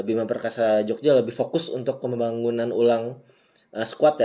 bima perkasa jogja lebih fokus untuk pembangunan ulang squad ya